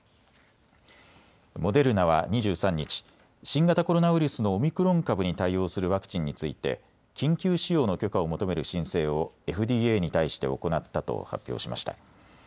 モデルナは２３日、新型コロナウイルスのオミクロン株に対応するワクチンについて緊急使用の許可を求める申請をＦＤＡに対して行ったと発表しました。